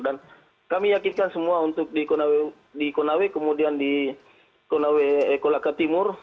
dan kami yakin semua untuk di konawe kemudian di kolaka timur